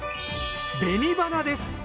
紅花です。